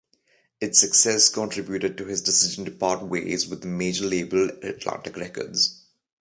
Its success contributed to his decision to part ways with major label Atlantic Records.